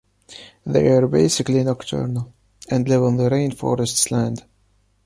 They’re basically nocturnal and live on the rain forest’s land.